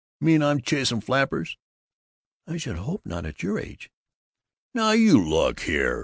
Mean I'm chasing flappers?" "I should hope not at your age!" "Now you look here!